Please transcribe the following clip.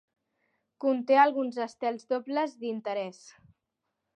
Conté alguns estels dobles d'interès.